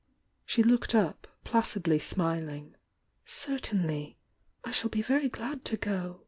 She looked up, placidly smiling. "Certainly! I shall be very glad to go.